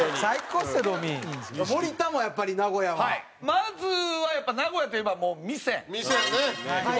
まずはやっぱ名古屋といえば味仙。